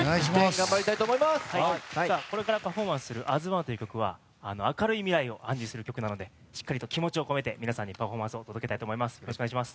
これからパフォーマンスする「ＡＳＯＮＥ」という曲は明るい未来を暗示する曲なのでしっかりと気持ちを込めて皆さんにパフォーマンスを届けたいと思います。